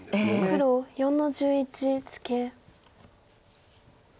黒４の十一ツケ。